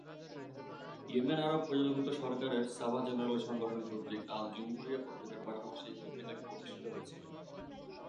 Yemen আরব প্রজাতন্ত্র সরকারের 'সাবা জেনারেল সংগঠন' কর্তৃক "আল-জুমহুরিয়াহ" পত্রিকার পাশাপাশি এই পত্রিকাটি প্রতিষ্ঠিত হয়েছিল।